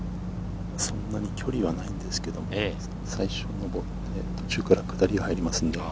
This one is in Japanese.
そんなに距離はないんですけれど、途中から下りが入ります。